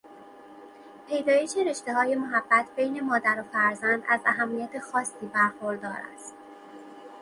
پیدایش رشتههایمحبت بین مادر و فرزند از اهمیت خاصی برخوردار است.